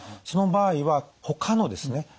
その場合はほかのですね